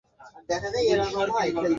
আমাদের কাছে ত্রিশ মিনিট সময় আছে।